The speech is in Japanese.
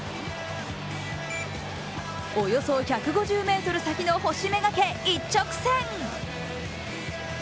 およそ１５０ｍ先の星目がけ一直線。